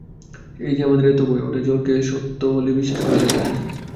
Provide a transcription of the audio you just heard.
এই যে আমাদের এত ভয়, ওটা জড়কে সত্য বলে বিশ্বাস করা থেকে এসেছে।